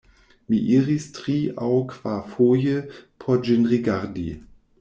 Mi iris tri-aŭ-kvarfoje por ĝin rigardi.